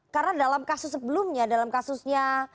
karena dalam kasus sebelumnya dalam kasusnya